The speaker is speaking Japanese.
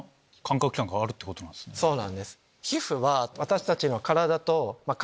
そうなんです。